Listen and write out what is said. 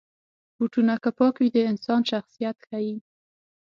بوټونه که پاک وي، د انسان شخصیت ښيي.